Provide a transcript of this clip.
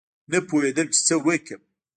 نه پوهېدم چې څه وکړم.